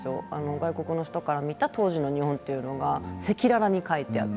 外国の人から見た当時の日本というのが赤裸々に書いてあって。